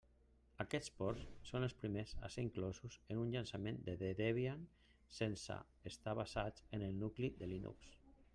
Aquests ports són els primers a ser inclosos en un llançament de Debian sense estar basats en el nucli de Linux.